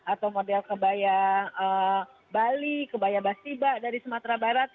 atau model kebaya bali kebaya bastiba dari sumatera barat